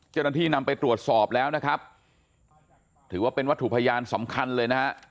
เจ้าหน้าที่นำไปตรวจสอบแล้วนะครับถือว่าเป็นวัตถุพยานสำคัญเลยนะฮะ